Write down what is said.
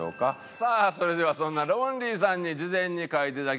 さあそれではそんなロンリーさんに事前に書いていただきました